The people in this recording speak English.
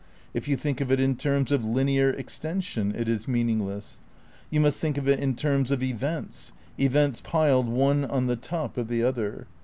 If you think of it in terms of linear extension it is meaningless. You must think of it in terms of events, events piled one on the top of the other.